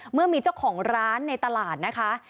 เมื่อมีเจ้าของร้านในตลาดนะคะ